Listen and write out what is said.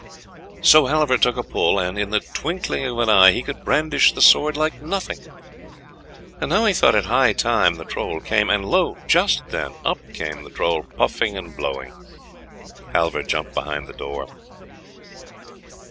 So Halvor took a pull, and in the twinkling of an eye he could brandish the sword like nothing; and now he thought it high time the Troll came; and lo! just then up came the Troll puffing and blowing. Halvor jumped behind the door.